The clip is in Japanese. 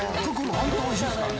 本当おいしいですからね。